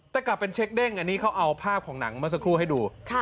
แต่กลับเป็นเช็คเด้งอันนี้เขาเอาภาพของหนังเมื่อสักครู่ให้ดู